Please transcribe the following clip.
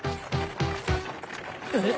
・えっ？